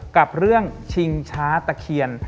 กับเรื่องชิงช้าตะเคียน